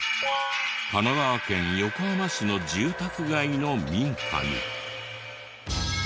神奈川県横浜市の住宅街の民家に。